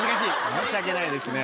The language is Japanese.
申し訳ないですね。